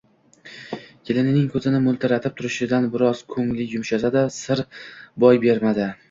kelinining ko`zini mo`ltiratib turishidan biroz ko`ngli yumshasa-da, sir boy bermadi